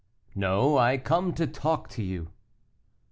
"No; I come to talk to you."